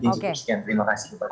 oke itu iqbal terima kasih